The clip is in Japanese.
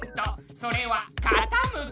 それはかたむき。